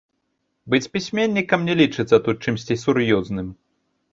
Быць пісьменнікам не лічыцца тут чымсьці сур'ёзным.